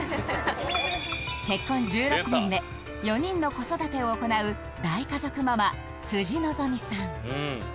結婚１６年目４人の子育てを行う大家族ママ辻希美さん